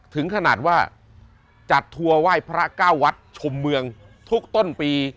ถึงขนาดว่าจัดทัวร์ไหว้พระเก้าวัดชมเมืองทุกต้นปี